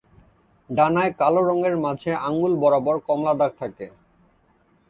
ডানায় কালো রঙের মাঝে আঙুল বরাবর কমলা দাগ থাকে।